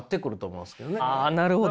あなるほど。